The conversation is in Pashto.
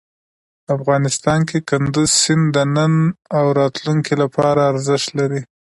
افغانستان کې کندز سیند د نن او راتلونکي لپاره ارزښت لري.